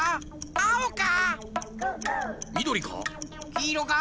あおか？